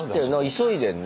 急いでんね。